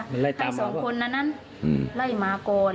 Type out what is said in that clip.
ให้สองคนนั้นไล่หมาก่อน